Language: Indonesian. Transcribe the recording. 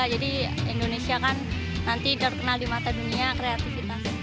jadi indonesia kan nanti terkenal di mata dunia kreatif kita